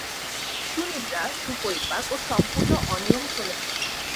সুনিদ্রা, সুপরিপাক ও সম্পূর্ণ অনিয়ম চলেছে।